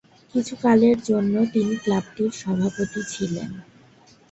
কিছু কালের জন্য তিনি ক্লাবটির সভাপতি ছিলেন।